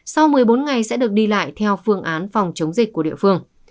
sau một mươi bốn ngày sẽ được đi lại theo phương án phòng chống dịch của địa phương